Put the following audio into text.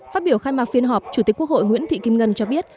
phát biểu khai mạc phiên họp chủ tịch quốc hội nguyễn thị kim ngân cho biết